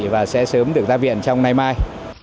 và sẽ sớm được ra viện trong ngày mai